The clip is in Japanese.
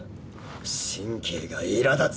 神経がイラだつ！